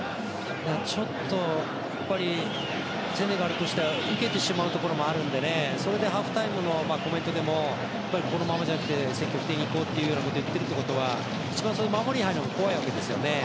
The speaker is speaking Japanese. ちょっと、セネガルとしては受けてしまうところもあるのでそれでハーフタイムのコメントでもこのままじゃなくて積極的に行こうって言ってるってことは一番、守りに入るのが怖いんですよね。